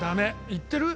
行ってる？